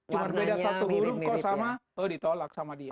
cuma beda satu guru kok sama oh ditolak sama dia